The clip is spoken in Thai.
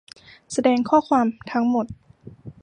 แสดงข้อความทั้งหมด